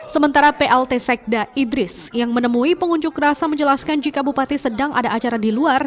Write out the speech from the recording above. sementara plt sekda idris yang menemui pengunjuk rasa menjelaskan jika bupati sedang ada acara di luar